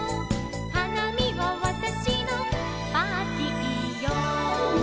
「はなみはわたしのパーティーよ」